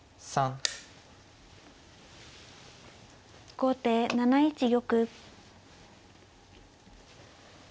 後手７一玉。